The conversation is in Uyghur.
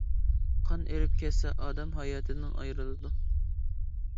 قان ئېرىپ كەتسە، ئادەم ھاياتىدىن ئايرىلىدۇ.